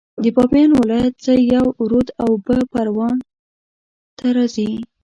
د بامیان ولایت څخه یو رود اوبه پروان ته راځي